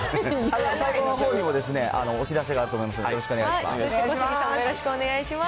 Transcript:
最後のほうにもお知らせがあると思いますんで、よろしくお願いし小杉さんも、よろしくお願いします。